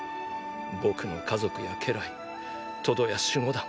僕の家族や家来トドや守護団。